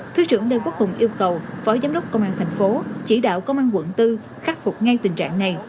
thứ trưởng lê quốc hùng yêu cầu phó giám đốc công an thành phố chỉ đạo công an quận bốn khắc phục ngay tình trạng này